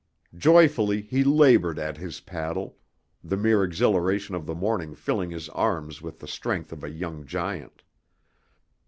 Joyfully he labored at his paddle, the mere exhilaration of the morning filling his arms with the strength of a young giant.